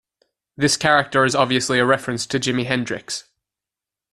This character is obviously a reference to Jimi Hendrix.